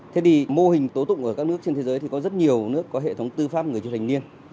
thế thì mô hình tố tụng ở các nước trên thế giới thì có rất nhiều nước có hệ thống tư pháp người chưa thành niên